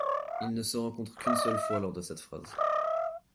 Ils ne se rencontrent qu'une seule fois lors de cette phase.